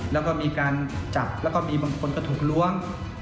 แล้วก็มีการจับแล้วก็มีบางคนก็ถูกล้วง